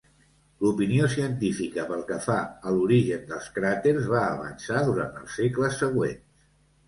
L'opinió científica pel que fa a l'origen dels cràters, va avançar durant els segles següents.